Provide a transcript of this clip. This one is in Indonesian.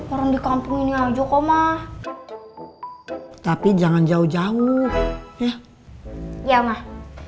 orang di kampung ini aja kok mah tapi jangan jauh jauh ya iya mah